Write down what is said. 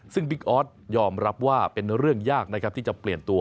ซึ่งบิ๊กออสยอมรับว่าเป็นเรื่องยากนะครับที่จะเปลี่ยนตัว